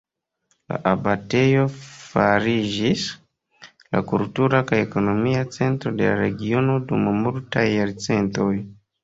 La abatejo fariĝis la kultura kaj ekonomia centro de la regiono dum multaj jarcentoj.